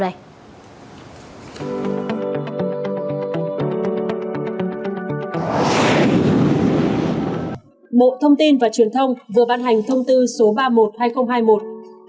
bộ thông tin và truyền thông vừa ban hành thông tư số ba mươi một hai nghìn hai mươi một